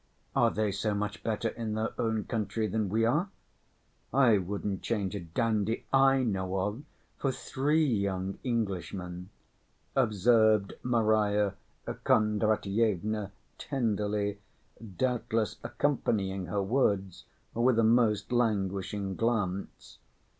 "Are they so much better in their own country than we are? I wouldn't change a dandy I know of for three young Englishmen," observed Marya Kondratyevna tenderly, doubtless accompanying her words with a most languishing glance.